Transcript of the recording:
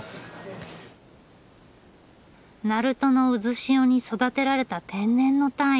鳴門の渦潮に育てられた天然のタイ。